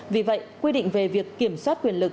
vì vậy quy định về việc kiểm soát quyền lực